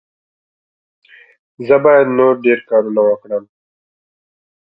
زه باید نور ډېر کارونه وکړم.